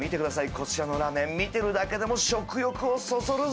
こちらのラーメン見てるだけでも食欲をそそるぜ。